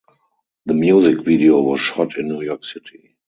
The music video was shot in New York City.